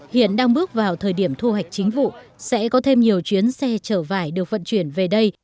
hiện đang bước vào thời điểm thu hoạch chính vụ sẽ có thêm nhiều chuyến xe chở vải được vận chuyển về đây